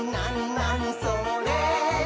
なにそれ？」